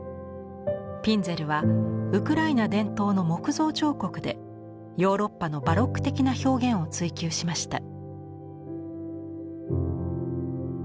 ピンゼルはウクライナ伝統の木造彫刻でヨーロッパのバロック的な表現を追求しました。